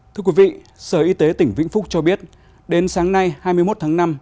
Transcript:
thưa quý vị sở y tế tỉnh vĩnh phúc cho biết đến sáng nay hai mươi một tháng năm